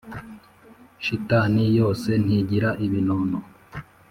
shitani yose ntigira ibinono